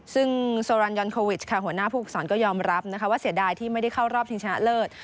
ซึ่งโซรันยอนโควิชค่ะหัวหน้าผู้ฝึกสอนก็ยอมรับนะคะว่าเสียดายที่ไม่ได้เข้ารอบชิงชนะเลิศ